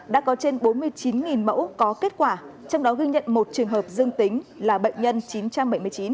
đã có trên bốn mươi chín mẫu có kết quả trong đó ghi nhận một trường hợp dương tính là bệnh nhân chín trăm bảy mươi chín